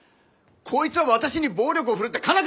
こいつは私に暴力を振るって佳奈